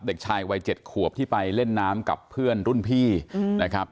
เด็กชายวัย๗ขวบที่ไปเล่นน้ำกับเพื่อนรุ่นพี่นะครับ